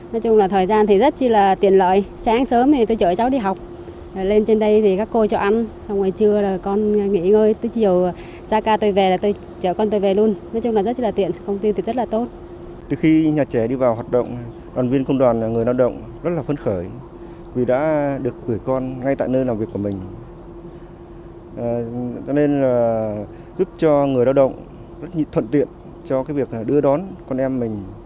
nên là giúp cho người lao động rất thuận tiện cho việc đưa đón con em mình